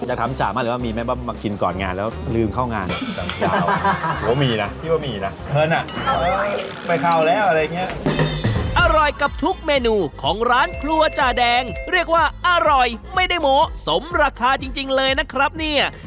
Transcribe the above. อยากถามจ๋ามาเลยว่ามีไหมว่ามากินก่อนงานแล้วลืมเข้างาน